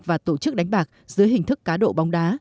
và tổ chức đánh bạc dưới hình thức cá độ bóng đá